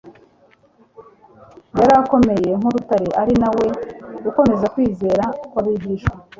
yari akomeye nk’urutare, ari na we ukomeza kwizera kw’abigishwa,